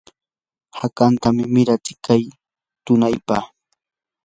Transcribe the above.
hakatam miratsiyka tunaypa.